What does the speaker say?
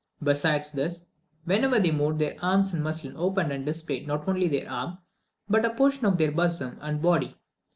Besides this, whenever they moved their arms the muslin opened and displayed not only their arm, but a portion of their bosom and body.